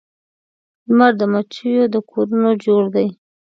لمر د مچېو د کورونو جوړ دی